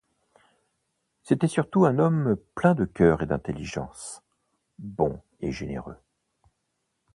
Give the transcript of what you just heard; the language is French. C’était surtout un homme plein de cœur et d’intelligence, bon et généreux.